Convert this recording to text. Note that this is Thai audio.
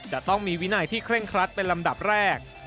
จะต้องมีวินัยที่เคร่งครัดเป็นลำดับแรก